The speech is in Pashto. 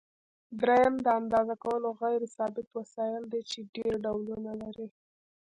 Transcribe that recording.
دریم د اندازه کولو غیر ثابت وسایل دي چې ډېر ډولونه لري.